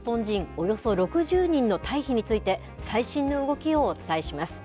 およそ６０人の退避について、最新の動きをお伝えします。